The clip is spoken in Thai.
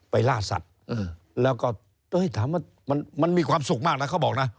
ล่าสัตว์แล้วก็ถามว่ามันมีความสุขมากนะเขาบอกนะ